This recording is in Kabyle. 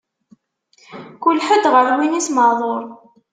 Kul ḥedd, ɣer win-is maɛduṛ.